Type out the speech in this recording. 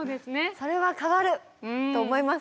それは変わる！と思います。